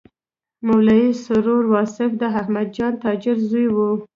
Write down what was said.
مولوي سرور واصف د احمدجان تاجر زوی و.